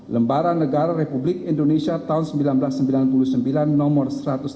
lembaran negara republik indonesia tahun seribu sembilan ratus sembilan puluh sembilan nomor satu ratus enam puluh